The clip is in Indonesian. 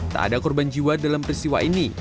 tak ada korban jiwa dalam peristiwa ini